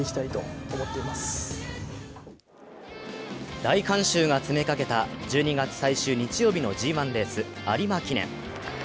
大観衆が詰めかけた１２月最終日曜日のＧ１レース・有馬記念。